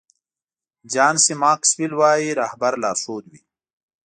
جان سي ماکسویل وایي رهبر لارښود وي.